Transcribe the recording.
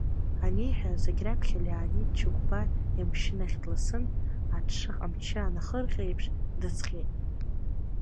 Аниҳәа, зегь раԥхьа Леонид Чыгәбар имашьынахь дласын, аҽы аҟамчы анахырҟьа еиԥш, дыҵҟьеит.